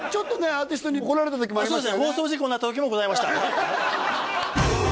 アーティストに怒られた時もありましたよね